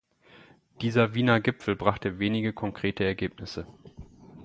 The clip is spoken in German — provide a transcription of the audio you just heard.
Dieser Wiener Gipfel brachte wenige konkrete Ergebnisse.